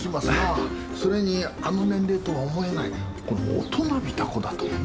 それにあの年齢とは思えないこの大人びた子だともね。